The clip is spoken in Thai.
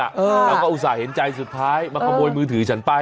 เราก็อุตส่าห์เห็นใจสุดท้ายมาขโมยมือถือฉันไป